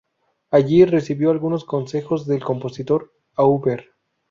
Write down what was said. Allí recibió algunos consejos del compositor Auber.